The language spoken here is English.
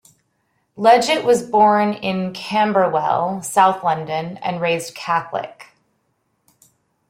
Leggett was born in Camberwell, South London, and raised Catholic.